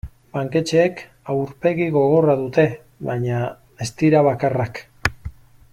Banketxeek aurpegi gogorra dute baina ez dira bakarrak.